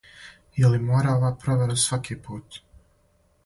Је ли мора ова провера сваки пут?